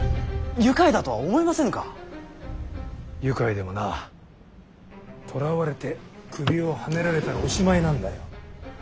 愉快でもな捕らわれて首をはねられたらおしまいなんだよ。